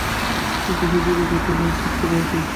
কিন্তু, শুধু হৃদয় তো নয়, শাস্ত্রও আছে।